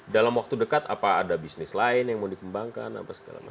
dalam waktu dekat apa ada bisnis lain yang mau dikembangkan apa segala macam